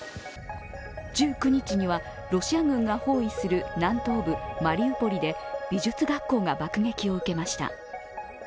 １９日は、ロシア軍が包囲する南東部マリウポリで美術学校が爆撃を受けました。